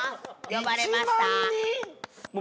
呼ばれました。